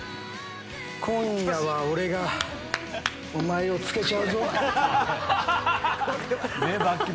今夜は俺が、お前を漬けちゃうぞ。